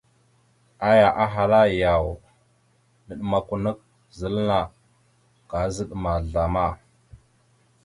Aya ahala: « Yaw, naɗmakw a nakw zal anna, kaazaɗ ma zlama? ».